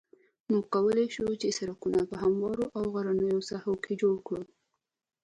موږ کولای شو سرکونه په هموارو او غرنیو ساحو کې جوړ کړو